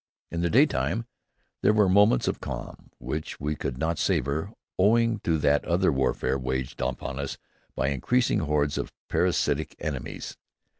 In the daytime there were moments of calm which we could not savor owing to that other warfare waged upon us by increasing hordes of parasitic enemies.